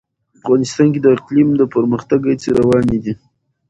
افغانستان کې د اقلیم د پرمختګ هڅې روانې دي.